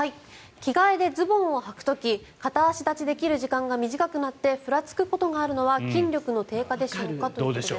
着替えでズボンをはく時片足できる時間が短くなってふらつくことがあるのは筋力の低下でしょうか？ということです。